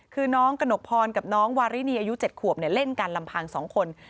คือน้องกระหนกพรกับน้องวารินีอายุ๗ขวบเล่นกันลำพัง๒คน